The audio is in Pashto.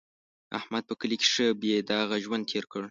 احمد په کلي کې ښه بې داغه ژوند تېر کړ.